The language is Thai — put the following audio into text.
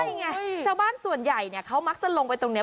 ใช่ไงชาวบ้านส่วนใหญ่เนี่ยเขามักจะลงไปตรงนี้